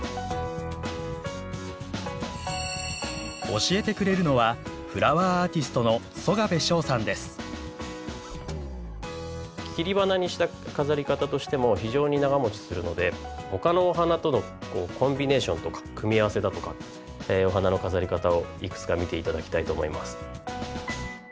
教えてくれるのは切り花にした飾り方としても非常に長もちするのでほかのお花とのコンビネーションとか組み合わせだとかお花の飾り方をいくつか見ていただきたいと思います。